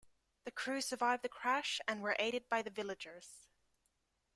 The crew survived the crash and were aided by the villagers.